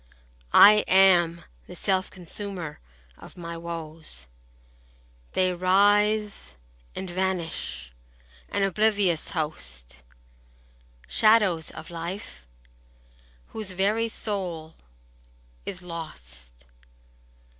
I am the self consumer of my woes; They rise and vanish, an oblivious host, Shadows of life, whose very soul is lost.